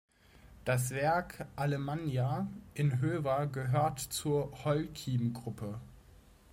Das Werk "Alemannia" in Höver gehört zur Holcim-Gruppe.